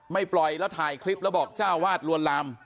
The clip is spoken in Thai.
ปล่อยแล้วถ่ายคลิปแล้วบอกเจ้าวาดลวนลาม